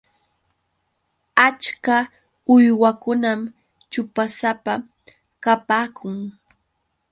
Achka uywakunam ćhupasapa kapaakun.